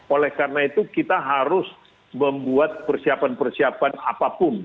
oleh karena itu kita harus membuat persiapan persiapan apapun